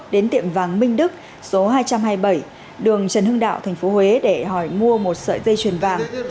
đến tiệm vàng minh đức số hai trăm hai mươi bảy đường trần hưng đạo tp huế để hỏi mua một sợi dây chuyền vàng